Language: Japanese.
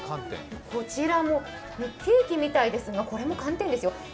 こちらもケーキみたいですがこれも寒天ですよ。